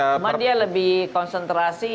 cuma dia lebih konsentrasi